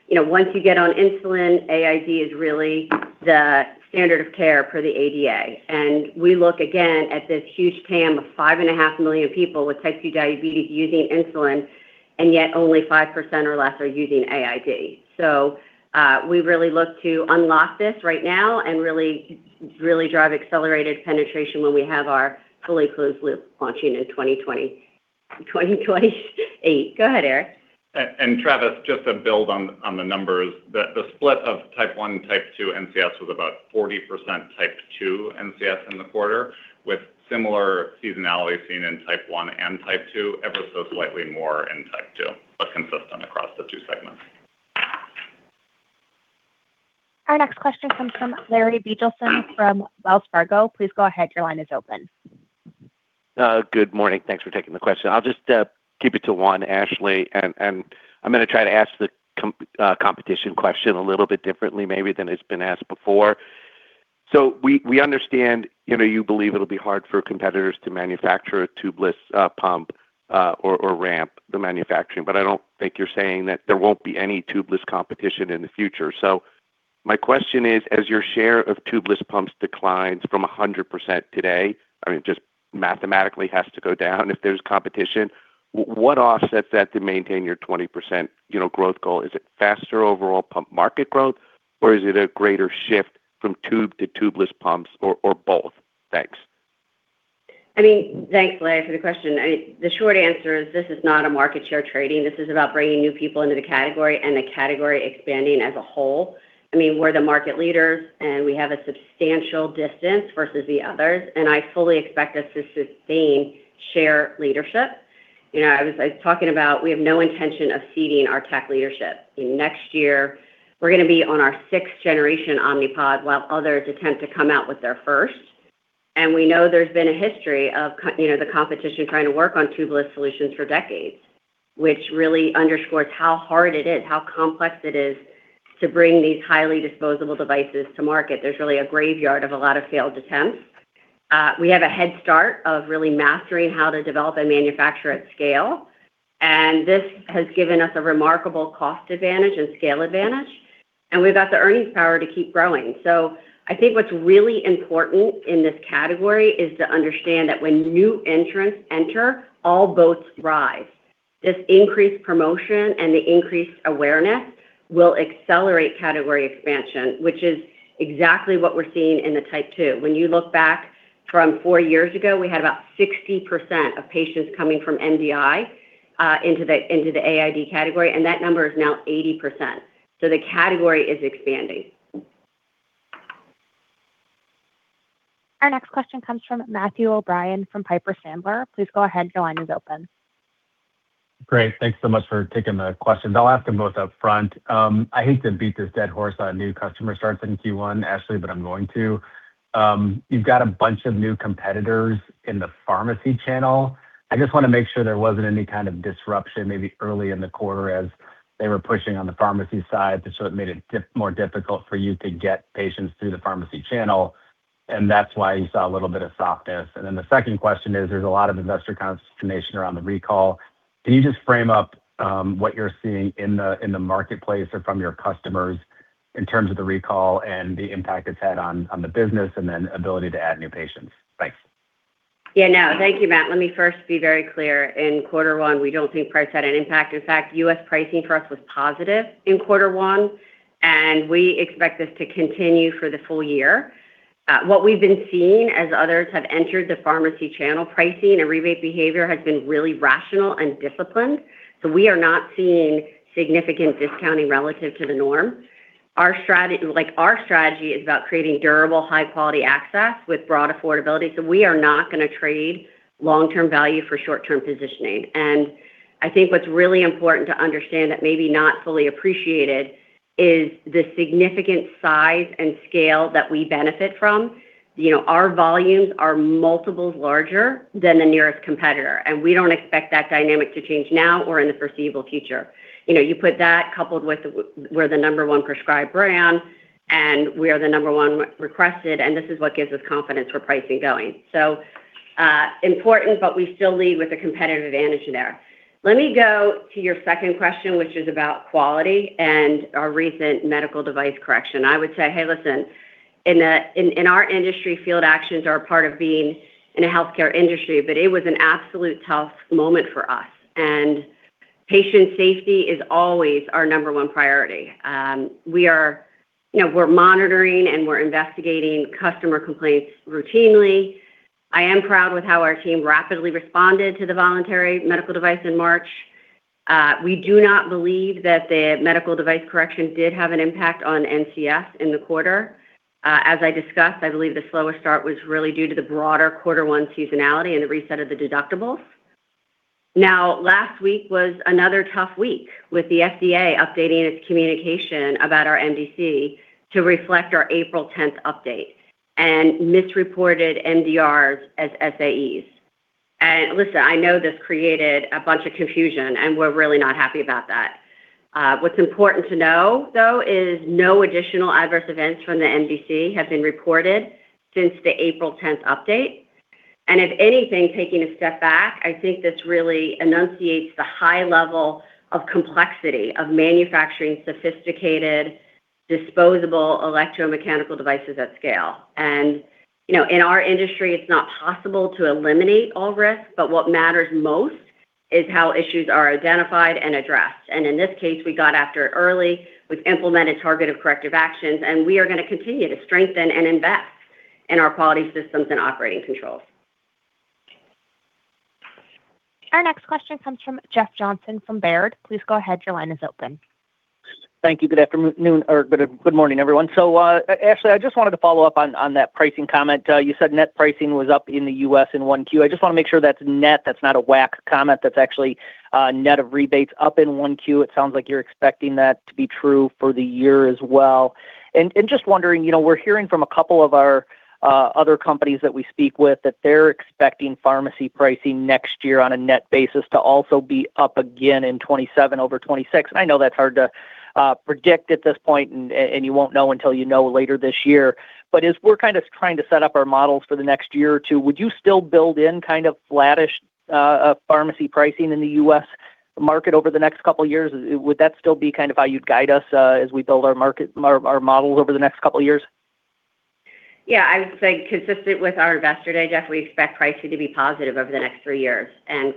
You know, once you get on insulin, AID is really the standard of care for the ADA. We look again at this huge TAM of 5.5 million people with Type 2 diabetes using insulin, and yet only 5% or less are using AID. We really look to unlock this right now and really drive accelerated penetration when we have our fully closed loop launching in 2028. Go ahead, Eric. Travis, just to build on the numbers, the split of Type 1 and Type 2 NCS was about 40% Type 2 NCS in the quarter, with similar seasonality seen in Type 1 and Type 2, ever so slightly more in Type 2, but consistent across the two segments. Our next question comes from Larry Biegelsen from Wells Fargo. Please go ahead, your line is open. Good morning. Thanks for taking the question. I'll just keep it to one, Ashley, and I'm gonna try to ask the competition question a little bit differently maybe than it's been asked before. We understand, you know, you believe it'll be hard for competitors to manufacture a tubeless pump or ramp the manufacturing, but I don't think you're saying that there won't be any tubeless competition in the future. My question is, as your share of tubeless pumps declines from 100% today, I mean, it just mathematically has to go down if there's competition. What offsets that to maintain your 20% growth goal? Is it faster overall pump market growth, or is it a greater shift from tube to tubeless pumps or both? Thanks. I mean, thanks, Larry, for the question. The short answer is this is not a market share trading. This is about bringing new people into the category and the category expanding as a whole. I mean, we're the market leaders, and we have a substantial distance versus the others, and I fully expect us to sustain share leadership. You know, I was talking about we have no intention of ceding our tech leadership. Next year, we're gonna be on our sixth generation Omnipod while others attempt to come out with their first. We know there's been a history of you know, the competition trying to work on tubeless solutions for decades, which really underscores how hard it is, how complex it is to bring these highly disposable devices to market. There's really a graveyard of a lot of failed attempts. We have a head start of really mastering how to develop and manufacture at scale, and this has given us a remarkable cost advantage and scale advantage, and we've got the earnings power to keep growing. I think what's really important in this category is to understand that when new entrants enter, all boats rise. This increased promotion and the increased awareness will accelerate category expansion, which is exactly what we're seeing in the Type 2. When you look back from four years ago, we had about 60% of patients coming from MDI into the AID category, and that number is now 80%. The category is expanding. Our next question comes from Matthew O'Brien from Piper Sandler. Please go ahead. Your line is open. Great. Thanks so much for taking the questions. I'll ask them both up front. I hate to beat this dead horse on new customer starts in Q1, Ashley, but I'm going to. You've got a bunch of new competitors in the pharmacy channel. I just want to make sure there wasn't any kind of disruption maybe early in the quarter as they were pushing on the pharmacy side, so it made it more difficult for you to get patients through the pharmacy channel, and that's why you saw a little bit of softness. Then the second question is, there's a lot of investor consternation around the recall. Can you just frame up what you're seeing in the marketplace or from your customers in terms of the recall and the impact it's had on the business and then ability to add new patients? Thanks. Yeah, no. Thank you, Matt. Let me first be very clear. In quarter one, we don't think price had an impact. In fact, U.S. pricing for us was positive in quarter one, and we expect this to continue for the full year. What we've been seeing as others have entered the pharmacy channel pricing and rebate behavior has been really rational and disciplined. So we are not seeing significant discounting relative to the norm. Our strategy is about creating durable, high quality access with broad affordability. So we are not going to trade long-term value for short-term positioning. I think what's really important to understand that maybe not fully appreciated is the significant size and scale that we benefit from. You know, our volumes are multiples larger than the nearest competitor, and we don't expect that dynamic to change now or in the foreseeable future. You know, you put that coupled with we're the number one prescribed brand, and we are the number requested, and this is what gives us confidence for pricing going. Important, but we still lead with a competitive advantage there. Let me go to your second question, which is about quality and our recent medical device correction. I would say, hey, listen, in our industry, field actions are a part of being in a healthcare industry, but it was an absolute tough moment for us. Patient safety is always our number one priority. You know, we're monitoring and we're investigating customer complaints routinely. I am proud with how our team rapidly responded to the voluntary medical device in March. We do not believe that the medical device correction did have an impact on NCS in the quarter. As I discussed, I believe the slower start was really due to the broader quarter one seasonality and the reset of the deductibles. Now, last week was another tough week with the FDA updating its communication about our MDC to reflect our April tenth update and misreported MDRs as SAEs. Listen, I know this created a bunch of confusion, and we're really not happy about that. What's important to know, though, is no additional adverse events from the MDC have been reported since the April tenth update. If anything, taking a step back, I think this really enunciates the high level of complexity of manufacturing sophisticated disposable electromechanical devices at scale. You know, in our industry, it's not possible to eliminate all risk, but what matters most is how issues are identified and addressed. In this case, we got after it early, we've implemented targeted corrective actions, and we are going to continue to strengthen and invest in our quality systems and operating controls. Our next question comes from Jeff Johnson from Baird. Please go ahead. Your line is open. Thank you. Good afternoon or good morning, everyone. Ashley, I just wanted to follow up on that pricing comment. You said net pricing was up in the U.S. in 1Q. I just want to make sure that's net. That's not a WAC comment. That's actually a net of rebates up in 1Q. It sounds like you're expecting that to be true for the year as well. Just wondering, you know, we're hearing from a couple of our other companies that we speak with that they're expecting pharmacy pricing next year on a net basis to also be up again in 2027 over 2026. I know that's hard to predict at this point and you won't know until you know later this year. As we're kind of trying to set up our models for the next year or two, would you still build in kind of flattish pharmacy pricing in the U.S. market over the next couple of years? Would that still be kind of how you'd guide us as we build our models over the next couple of years? Yeah. I would say consistent with our Investor Day, Jeff, we expect pricing to be positive over the next three years.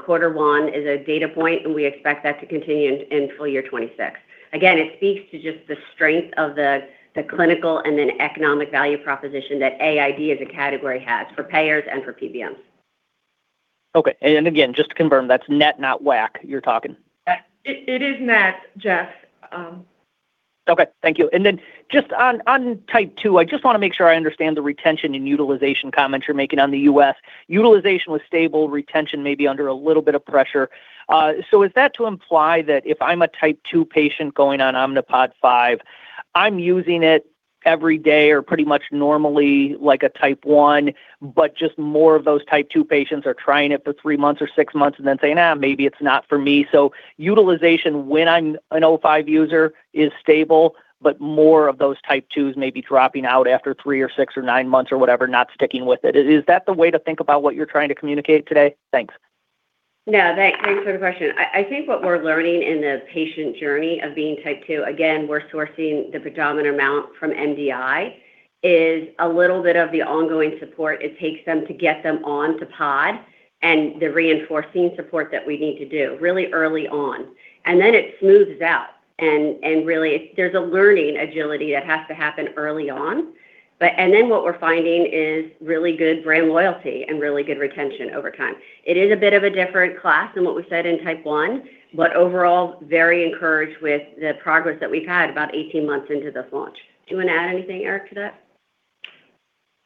Quarter one is a data point, and we expect that to continue in full year 2026. Again, it speaks to just the strength of the clinical and then economic value proposition that AID as a category has for payers and for PBMs. Okay. Again, just to confirm, that's net, not WAC you're talking? It is net, Jeff. Okay. Thank you. Just on Type 2, I just want to make sure I understand the retention and utilization comments you're making on the U.S. Utilization was stable, retention may be under a little bit of pressure. Is that to imply that if I'm a Type 2 patient going on Omnipod 5, I'm using it every day or pretty much normally like a Type 1, but just more of those Type 2 patients are trying it for three months or six months and then saying, "Nah, maybe it's not for me." Utilization when I'm an OP5 user is stable, but more of those Type 2s may be dropping out after three or six or nine months or whatever, not sticking with it. Is that the way to think about what you're trying to communicate today? Thanks. No, thank, thanks for the question. I think what we're learning in the patient journey of being Type 2, again, we're sourcing the predominant amount from MDI, is a little bit of the ongoing support it takes them to get them on to Pod and the reinforcing support that we need to do really early on. Then it smooths out and really there's a learning agility that has to happen early on. Then what we're finding is really good brand loyalty and really good retention over time. It is a bit of a different class than what we said in Type 1, but overall, very encouraged with the progress that we've had about 18 months into this launch. Do you wanna add anything, Eric, to that?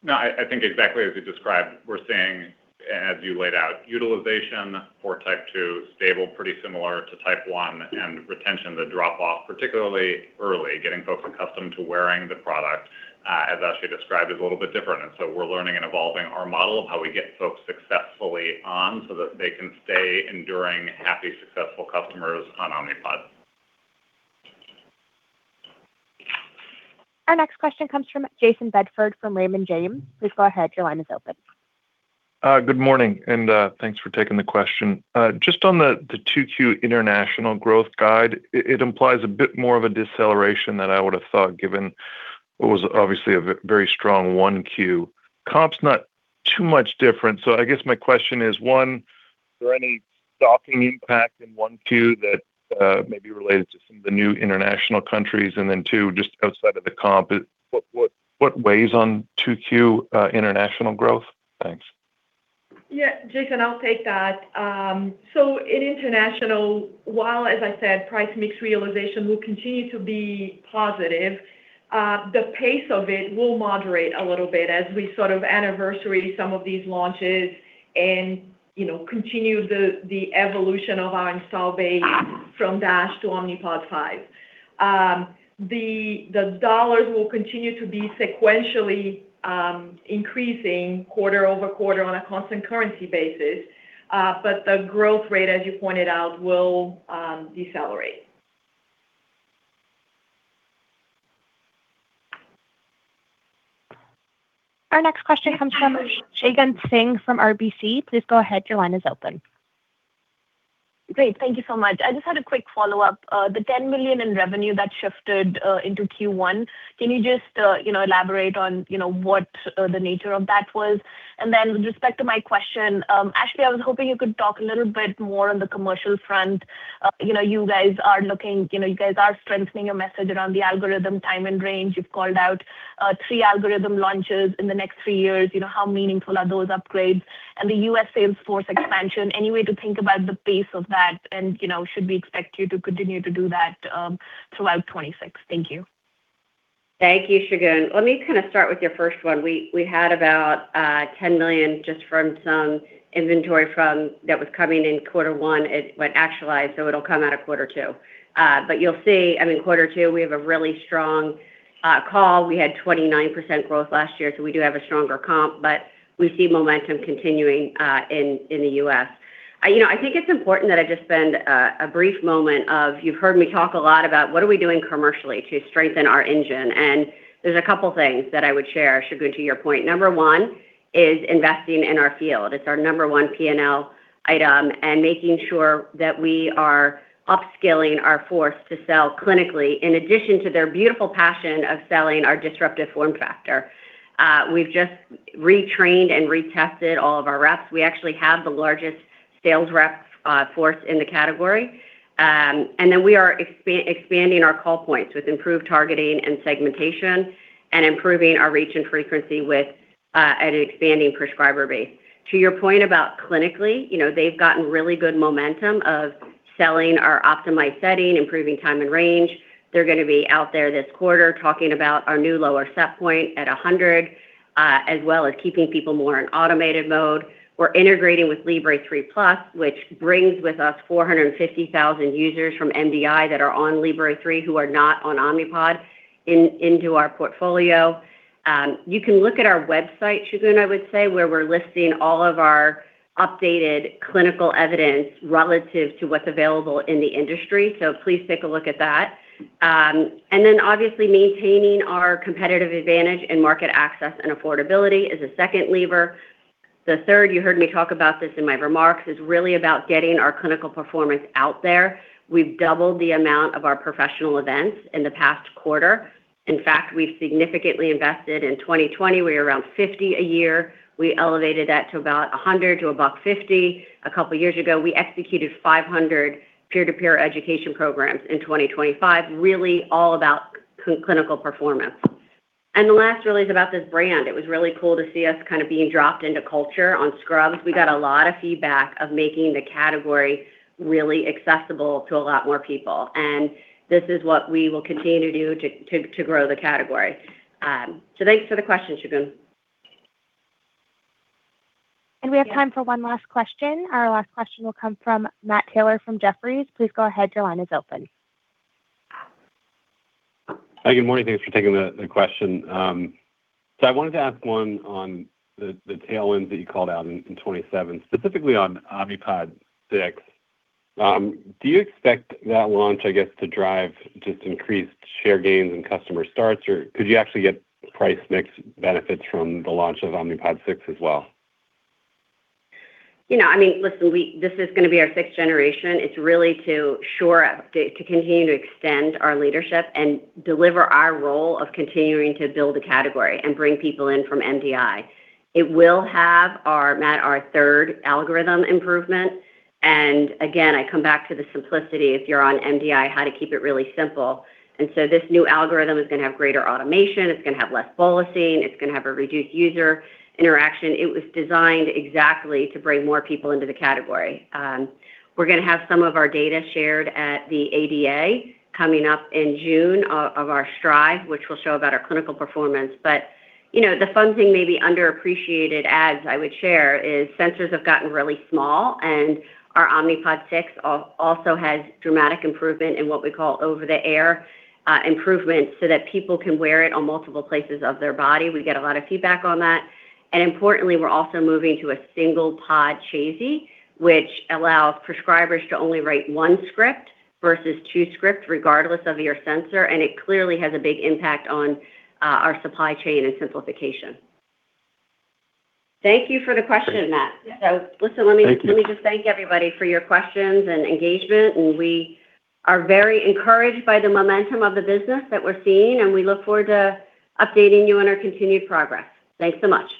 No, I think exactly as you described, we're seeing, as you laid out, utilization for Type 2 stable, pretty similar to Type 1, and retention, the drop off, particularly early, getting folks accustomed to wearing the product, as Ashley described, is a little bit different. So we're learning and evolving our model of how we get folks successfully on so that they can stay enduring happy, successful customers on Omnipod. Our next question comes from Jayson Bedford from Raymond James. Please go ahead. Your line is open. Good morning, thanks for taking the question. Just on the 2Q international growth guide, it implies a bit more of a deceleration than I would have thought given what was obviously a very strong 1Q. Comps not too much different. I guess my question is, one, are there any stocking impact in 1Q that may be related to some of the new international countries? Two, just outside of the comp, what weighs on 2Q international growth? Thanks. Jayson, I'll take that. In international, while, as I said, price mix realization will continue to be positive, the pace of it will moderate a little bit as we sort of anniversary some of these launches and, you know, continue the evolution of our install base from Dash to Omnipod 5. The dollars will continue to be sequentially increasing quarter over quarter on a constant currency basis. The growth rate, as you pointed out, will decelerate. Our next question comes from Shagun Singh from RBC. Please go ahead. Your line is open. Great. Thank you so much. I just had a quick follow-up. The $10 million in revenue that shifted into Q1, can you just, you know, elaborate on, you know, what the nature of that was? With respect to my question, Ashley, I was hoping you could talk a little bit more on the commercial front. You know, you guys are looking, you know, you guys are strengthening your message around the algorithm time and range. You've called out three algorithm launches in the next three years. You know, how meaningful are those upgrades? The U.S. sales force expansion, any way to think about the pace of that? You know, should we expect you to continue to do that throughout 2026? Thank you. Thank you, Shagun. Let me kind of start with your first one. We had about 10 million just from some inventory that was coming in quarter one. It went actualized. It'll come out of quarter one. You'll see, I mean, quarter one, we have a really strong call. We had 29% growth last year, so we do have a stronger comp, but we see momentum continuing in the U.S. You know, I think it's important that I just spend a brief moment. You've heard me talk a lot about what are we doing commercially to strengthen our engine, and there's two things that I would share, Shagun, to your point. Number one is investing in our field. It's our number one P&L item and making sure that we are upskilling our force to sell clinically in addition to their beautiful passion of selling our disruptive form factor. We've just retrained and retested all of our reps. We actually have the largest sales rep force in the category. And then we are expanding our call points with improved targeting and segmentation and improving our reach and frequency with an expanding prescriber base. To your point about clinically, you know, they've gotten really good momentum of selling our optimized setting, improving time and range. They're gonna be out there this quarter talking about our new lower set point at 100, as well as keeping people more in automated mode. We're integrating with FreeStyle Libre 3 Plus, which brings with us 450,000 users from MDI that are on FreeStyle Libre 3 who are not on Omnipod into our portfolio. You can look at our website, Shagun, I would say, where we're listing all of our updated clinical evidence relative to what's available in the industry. Please take a look at that. Then obviously maintaining our competitive advantage in market access and affordability is a second lever. The third, you heard me talk about this in my remarks, is really about getting our clinical performance out there. We've doubled the amount of our professional events in the past quarter. In fact, we've significantly invested. In 2020, we were around 50 a year. We elevated that to about 100 to about 50. A couple years ago, we executed 500 peer-to-peer education programs in 2025, really all about clinical performance. The last really is about this brand. It was really cool to see us kind of being dropped into culture on Scrubs. We got a lot of feedback of making the category really accessible to a lot more people. This is what we will continue to do to grow the category. Thanks for the question, Shagun. We have time for one last question. Our last question will come from Matt Taylor from Jefferies. Please go ahead. Your line is open. Hi. Good morning. Thanks for taking the question. I wanted to ask one on the tailwinds that you called out in 2027, specifically on Omnipod 6. Do you expect that launch, I guess, to drive just increased share gains and customer starts? Could you actually get price mix benefits from the launch of Omnipod 6 as well? You know, I mean, listen, this is going to be our 6th generation. It's really to shore up to continue to extend our leadership and deliver our role of continuing to build a category and bring people in from MDI. It will have our, Matt, our third algorithm improvement. Again, I come back to the simplicity, if you're on MDI, how to keep it really simple. This new algorithm is going to have greater automation, it's going to have less bolusing, it's going to have a reduced user interaction. It was designed exactly to bring more people into the category. We're going to have some of our data shared at the ADA coming up in June of our STRIVE, which will show about our clinical performance. You know, the fun thing maybe underappreciated as I would share is sensors have gotten really small, and our Omnipod 6 also has dramatic improvement in what we call over-the-air improvements so that people can wear it on multiple places of their body. We get a lot of feedback on that. Importantly, we're also moving to a single pod chassis, which allows prescribers to only write one script versus two scripts regardless of your sensor, and it clearly has a big impact on our supply chain and simplification. Thank you for the question, Matt. Thank you. Listen, let me just thank everybody for your questions and engagement. We are very encouraged by the momentum of the business that we're seeing. We look forward to updating you on our continued progress. Thanks so much.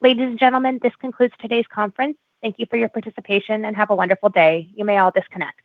Ladies and gentlemen, this concludes today's conference. Thank you for your participation, and have a wonderful day. You may all disconnect.